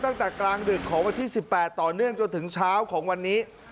ตั้งแต่กลางดึกของวันที่๑๘ต่อเนื่องจนถึงเช้าของวันนี้